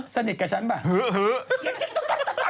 ฮือสนิทกับฉันเปล่าฮือฮือ